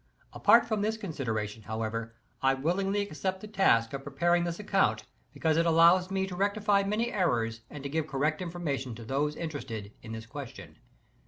Apart from this consideration, however, I willingly accept the task of preparing this account, because it allows me to rectify many errors and to give correct information to those interested in this question.